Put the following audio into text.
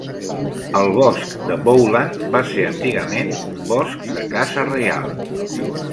El bosc de Bowland va ser antigament un bosc de caça reial.